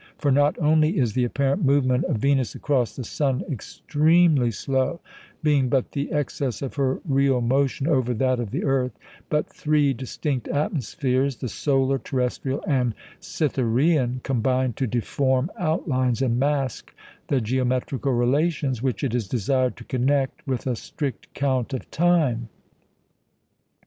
For not only is the apparent movement of Venus across the sun extremely slow, being but the excess of her real motion over that of the earth; but three distinct atmospheres the solar, terrestrial, and Cytherean combine to deform outlines and mask the geometrical relations which it is desired to connect with a strict count of time.